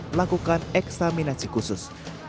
melakukan eksaminasi khusus